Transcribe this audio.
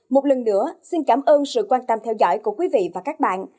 một lần nữa xin cảm ơn sự quan tâm theo dõi của quý vị và các bạn